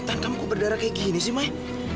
tan kamu kok berdarah kayak gini sih may